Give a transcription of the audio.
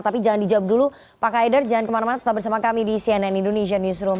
tapi jangan dijawab dulu pak haidar jangan kemana mana tetap bersama kami di cnn indonesia newsroom